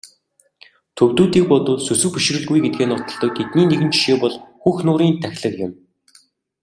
Төвөдүүдийг бодвол сүсэг бишрэлгүй гэдгээ нотолдог тэдний нэгэн жишээ бол Хөх нуурын тахилга юм.